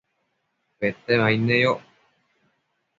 Petemaid neyoc